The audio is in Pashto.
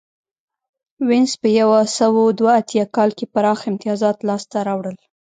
وینز په یو سوه دوه اتیا کال کې پراخ امتیازات لاسته راوړل